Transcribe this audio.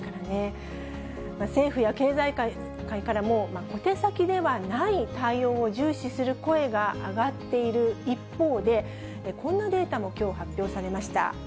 政府や経済界からも、小手先ではない対応を重視する声が上がっている一方で、こんなデータもきょう、発表されました。